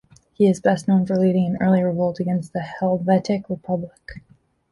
He is best known for leading an early revolt against the Helvetic Republic.